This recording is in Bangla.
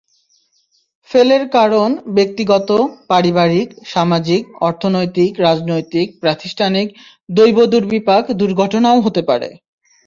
ফেলের কারণ ব্যক্তিগত, পারিবারিক, সামাজিক, অর্থনৈতিক, রাজনৈতিক, প্রাতিষ্ঠানিক, দৈব-দুর্বিপাক, দুর্ঘটনাও হতে পারে।